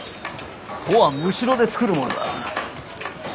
帆はむしろで作るものだ。